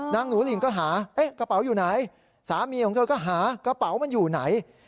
หนูหลิงก็หากระเป๋าอยู่ไหนสามีของเธอก็หากระเป๋ามันอยู่ไหน